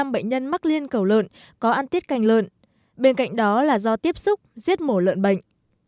một mươi bệnh nhân mắc liên cầu lợn có ăn tiết canh lợn bên cạnh đó là do tiếp xúc giết mổ lợn bệnh